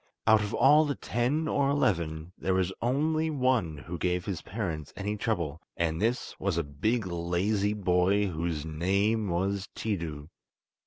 Out of all the ten or eleven, there was only one who gave his parents any trouble, and this was a big lazy boy whose name was Tiidu.